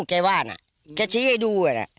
แกว่าน่ะแกชี้ให้ดูอ่ะ